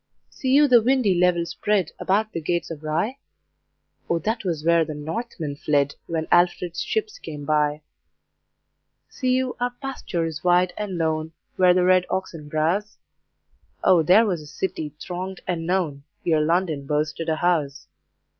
See you the windy levels spread About the gates of Rye? O that was where the Northmen fled, When Alfred's ships came by. See you our pastures wide and lone, Where the red oxen browse? O there was a City thronged and known, Ere London boasted a house.